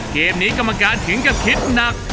เกมนี้กรรมการถึงกับคิดหนัก